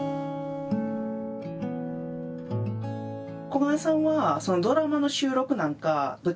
小雁さんはドラマの収録なんか舞台なんか。